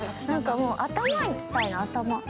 なんかもう頭行きたいな。